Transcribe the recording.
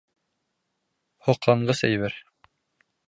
Һоҡланғыс әйбер.